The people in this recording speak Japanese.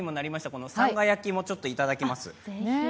このさんが焼きもちょっといただきます。